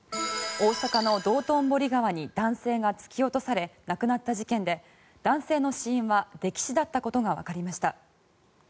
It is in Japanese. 大阪の道頓堀川に男性が突き落とされ亡くなった事件で男性の死因は溺死だったことがわかりました。